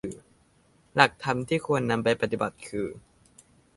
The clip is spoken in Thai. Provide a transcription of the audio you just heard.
หลักธรรมที่ควรนำไปปฏิบัติคือ